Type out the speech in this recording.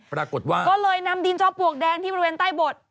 ปรากฏว่าก็เลยนำดินจอปลวกแดงที่บริเวณใต้บด